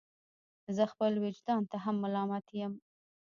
زه خپل ویجدان ته هم ملامت یم.